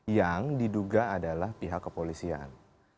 yang diduga adalah pihak kepolisian